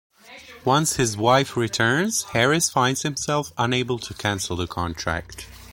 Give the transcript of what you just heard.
Once his wife returns, Harris finds himself unable to cancel the contract.